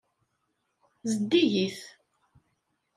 Zeddigit.